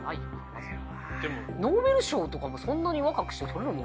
まずノーベル賞とかもそんなに若くしてとれるもの？